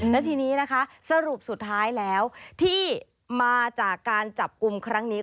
และทีนี้นะคะสรุปสุดท้ายแล้วที่มาจากการจับกลุ่มครั้งนี้